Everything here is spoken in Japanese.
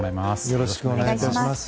よろしくお願いします。